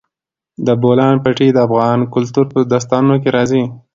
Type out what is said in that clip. د بولان پټي د افغان کلتور په داستانونو کې راځي.